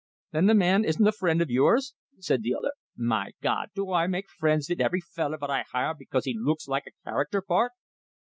"Then the man isn't a friend of yours?" said the other. "My Gawd, do I make friends vit every feller vot I hire because he looks like a character part?"